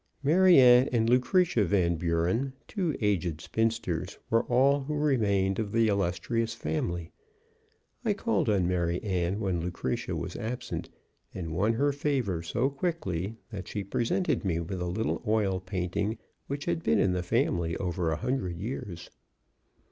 Mary Ann and Lucretia Van Buren, two aged spinsters, were all who remained of the illustrious family. I called on Mary Ann when Lucretia was absent, and won her favor so quickly that she presented me with a little oil painting which had been in the family over a hundred years.